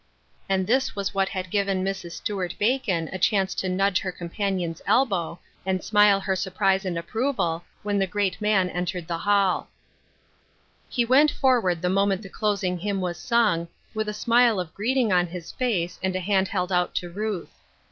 And this was what had given Mrs. Stuart Bacon a chance to nudge her companion's elbow, and smile her surprise and approval when the great man entered the hall. He went forward the moment the closing hymn was sung, with a smile of greeting on his face, and a hand held out to Ruth.